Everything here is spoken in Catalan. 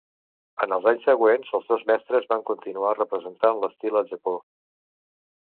En els anys següents els dos mestres van continuar representant l'estil al Japó.